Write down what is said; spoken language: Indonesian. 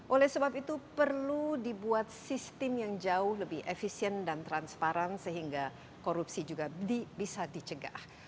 oleh sebab itu perlu dibuat sistem yang jauh lebih efisien dan transparan sehingga korupsi juga bisa dicegah